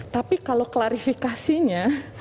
tapi kalau klarifikasinya